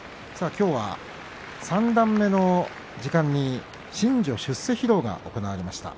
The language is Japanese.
きょうは三段目の時間に新序出世披露が行われました。